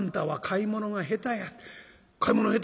『買い物が下手や。